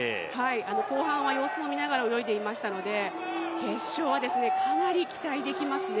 後半は様子を見ながら泳いでいましたので、決勝はかなり期待できますね。